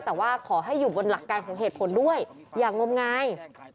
แต่ว่าขอให้อยู่บนหลักการของเหตุผลด้วยอย่างงมงาย